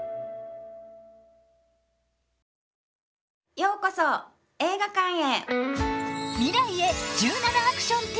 ようこそ映画館へ！